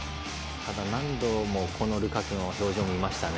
ただ何度も、ルカクの表情を見ましたね。